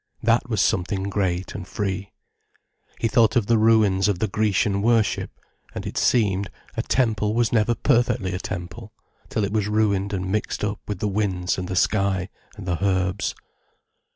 That was something great and free. He thought of the ruins of the Grecian worship, and it seemed, a temple was never perfectly a temple, till it was ruined and mixed up with the winds and the sky and the herbs.